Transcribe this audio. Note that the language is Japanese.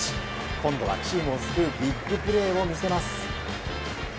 今度はチームを救うビッグプレーを見せます。